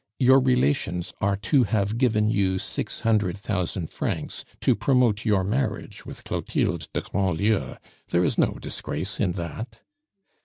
Your relations are to have given you six hundred thousand francs to promote your marriage with Clotilde de Grandlieu; there is no disgrace in that."